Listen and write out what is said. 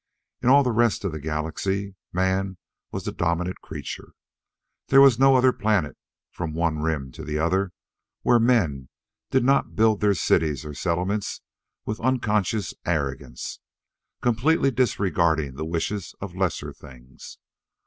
In all the rest of the Galaxy, man was the dominant creature. There was no other planet from one rim to the other where men did not build their cities or settlements with unconscious arrogance completely disregarding the wishes of lesser things.